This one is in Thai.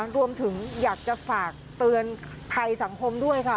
รวมถึงอยากจะฝากเตือนภัยสังคมด้วยค่ะ